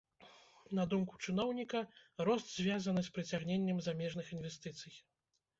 На думку чыноўніка, рост звязаны з прыцягненнем замежных інвестыцый.